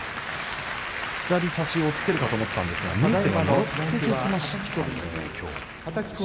左差し押っつけるかと思ったんですがもろ手でいきまし